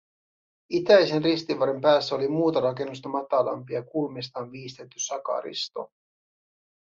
Itäisen ristivarren päässä oli muuta rakennusta matalampi ja kulmistaan viistetty sakaristo